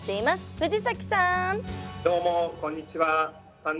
藤崎さん